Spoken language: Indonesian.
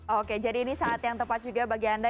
oke jadi ini saat yang tepat juga bagi anda